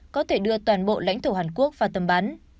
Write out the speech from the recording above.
có thể đưa toàn bộ lãnh thổ hàn quốc vào tầm bắn